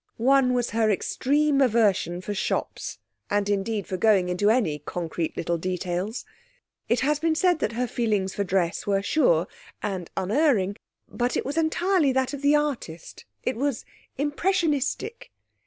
One was her extreme aversion for shops, and indeed for going into any concrete little details. It has been said that her feeling for dress was sure and unerring. But it was entirely that of the artist; it was impressionistic.